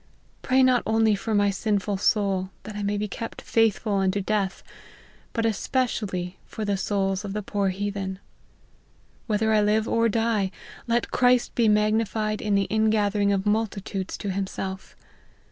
Pray not only for 'my sinful soul, that I may be kept faithful unto death ; but especially, for the souls of the poor Heathen. Whether I live or die, let Christ be magnified by the ingathering of multitudes to him self.